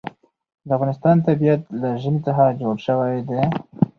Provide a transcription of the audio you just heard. د افغانستان طبیعت له ژمی څخه جوړ شوی دی.